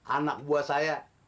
anak buah saya